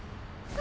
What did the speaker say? あ。